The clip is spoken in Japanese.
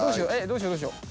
どうしよう。